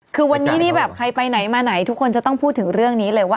คือวันนี้นี่แบบใครไปไหนมาไหนทุกคนจะต้องพูดถึงเรื่องนี้เลยว่า